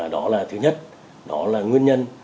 đó là thứ nhất đó là nguyên nhân